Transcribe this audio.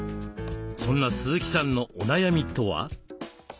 そんな鈴木さんのお悩みとは？